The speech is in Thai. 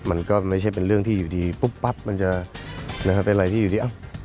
มันก็ไม่ใช่เป็นเรื่องที่อยู่ดีปุ๊บปั๊บมันจะเป็นอะไรที่อยู่ที่เอ้า